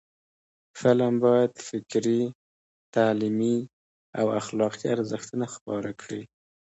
فلم باید فکري، تعلیمي او اخلاقی ارزښتونه خپاره کړي